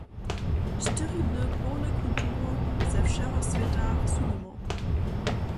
Štyri dny połne kultury ze wšeho swěta su nimo.